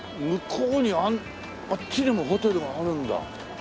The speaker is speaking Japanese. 向こうにあっちにもホテルがあるんだ。